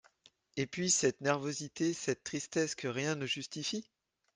Et puis cette nervosité, cette tristesse que rien ne justifie ?